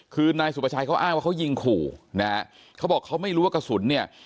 คือนายสุประชัยเขาอ้างว่าเขายิงขู่นะฮะเขาบอกเขาไม่รู้ว่ากระสุนเนี่ย